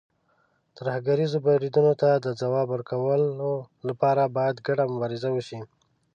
ترهګریزو بریدونو ته د ځواب ورکولو لپاره، باید ګډه مبارزه وشي.